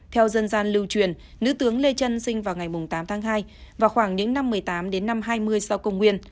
theo dân gian lưu truyền nữ tướng lê trân sinh vào ngày tám tháng hai và khoảng những năm một mươi tám đến năm hai mươi sau công nguyên